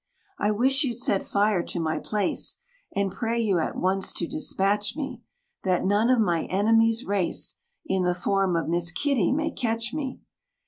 "I wish you'd set fire to my place; And pray you at once to despatch me, That none of my enemy's race, In the form of Miss Kitty, may catch me!"